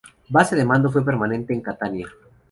Base de mando fue permanente en Catania.